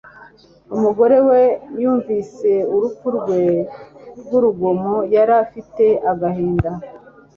Umugore we yumvise urupfu rwe rw'urugomo, yari afite agahinda